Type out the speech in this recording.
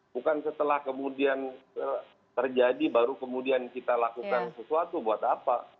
bukan setelah kemudian terjadi baru kemudian kita lakukan sesuatu buat apa